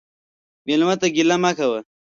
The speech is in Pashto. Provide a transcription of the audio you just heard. مېلمه ته ګیله مه کوه.